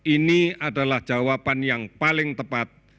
ini adalah jawaban yang paling tepat